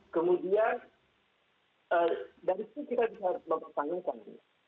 kemudian dari itu kita bisa bertanya tanya